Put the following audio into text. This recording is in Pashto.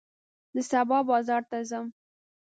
زه سبا بازار ته ځم.